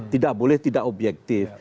tidak boleh tidak objektif